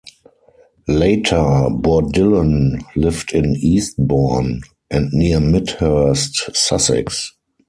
Later Bourdillon lived in Eastbourne, and near Midhurst, Sussex.